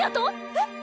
えっ？